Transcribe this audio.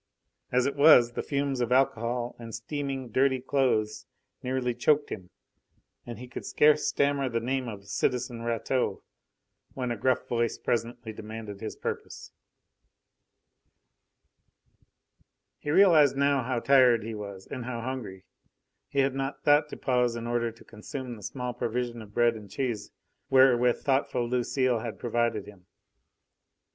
As it was, the fumes of alcohol and steaming, dirty clothes nearly choked him, and he could scarce stammer the name of "citizen Rateau" when a gruff voice presently demanded his purpose. He realised now how tired he was and how hungry. He had not thought to pause in order to consume the small provision of bread and cheese wherewith thoughtful Lucile had provided him.